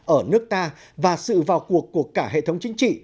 ở nước ta và sự vào cuộc của cả hệ thống chính trị